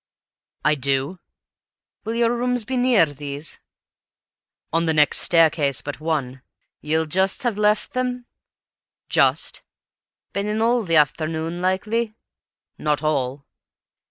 "I do." "Will your rooms be near these?" "On the next staircase but one." "Ye'll just have left them?" "Just." "Been in all the afternoon, likely?" "Not all."